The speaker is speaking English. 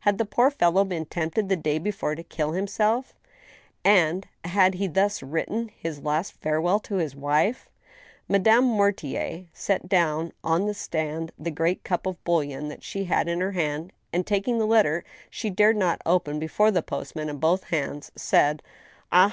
Had the poor fellow 1>een tempted the day before to kill himself, and had he thus written his last farewell to his wife ? Madame Mortier set down on a stand the great cup of bouillon that she had in her hand, and, taking the letter that she dared not open before the postman in both hands, said :" Ah